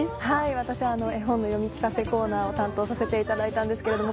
私は絵本の読み聞かせコーナーを担当させていただいたんですけれども。